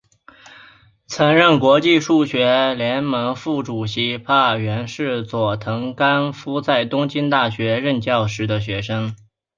曾任国际数学联盟副主席柏原是佐藤干夫在东京大学任教时的学生。